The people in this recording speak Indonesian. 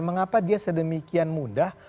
mengapa dia sedemikian mudah